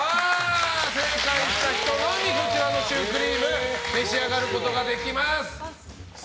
正解した人のみこちらのシュークリーム召し上がることができます。